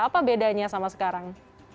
apa bedanya sama sekarang